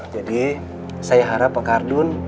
jadi saya harap pak ardun